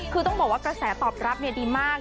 คือต้องบอกว่ากระแสตอบรับดีมาก